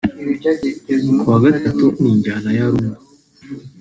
kuwa Gatatu ni injyana ya Rumba